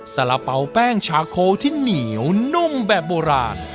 สาระเป๋าแป้งชาโคที่เหนียวนุ่มแบบโบราณ